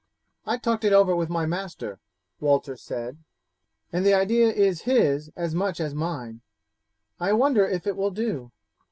"I talked it over with my master," Walter said, "and the idea is his as much as mine. I wonder if it will do."